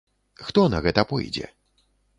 Хто на гэта пойдзе?